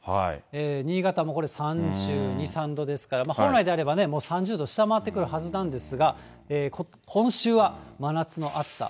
新潟もこれ、３２、３度ですから、本来であればもう３０度下回ってくるはずなんですが、今週は真夏の暑さ。